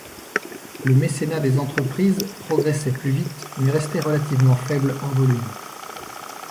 Le mécénat des entreprises progressait plus vite, mais restait relativement faible en volume.